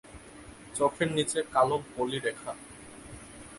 চোখের নিচে কালো বলিরেখা।